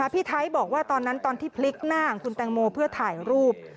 พี่ไทยบอกว่าตอนนั้นตอนที่พลิกหน้าของคุณแตงโมเพื่อถ่ายรูป